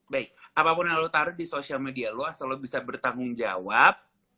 baik apapun yang lo taro di sosial media lo asal lo bisa bertanggung jawab